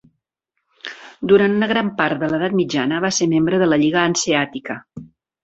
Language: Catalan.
Durant una gran part de l'edat mitjana va ser membre de la Lliga Hanseàtica.